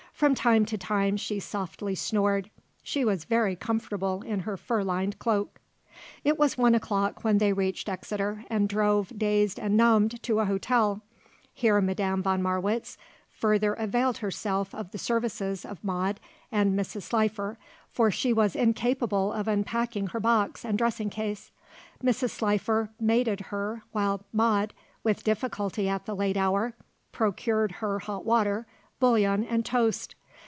From time to time she softly snored. She was very comfortable in her fur lined cloak. It was one o'clock when they reached Exeter and drove, dazed and numbed, to a hotel. Here Madame von Marwitz further availed herself of the services of Maude and Mrs. Slifer, for she was incapable of unpacking her box and dressing case. Mrs. Slifer maided her while Maude, with difficulty at the late hour, procured her hot water, bouillon and toast.